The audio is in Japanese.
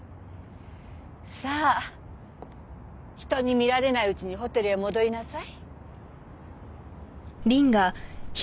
さあ人に見られないうちにホテルへ戻りなさい。